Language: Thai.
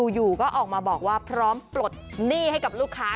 อยู่ก็ออกมาบอกว่าพร้อมปลดหนี้ให้กับลูกค้า